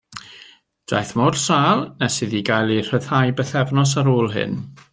Daeth mor sâl nes iddi gael ei rhyddhau bythefnos ar ôl hyn.